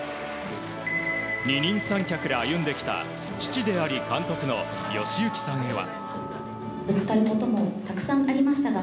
二人三脚で歩んできた父であり監督の義行さんへは。